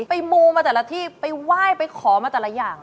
มูมาแต่ละที่ไปไหว้ไปขอมาแต่ละอย่าง